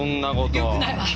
よくないわ！